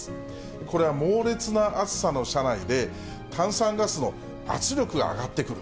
これは猛烈な暑さの車内で、炭酸ガスの圧力が上がってくる。